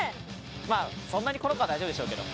まぁそんなにこの子は大丈夫でしょうけど。